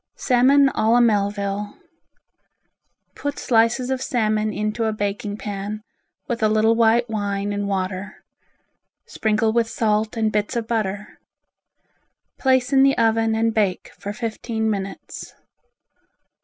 Salmon a la Melville Put slices of salmon into a baking pan with a little white wine and water. Sprinkle with salt and bits of butter. Place in the oven and bake for fifteen minutes.